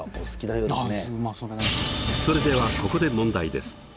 それではここで問題です。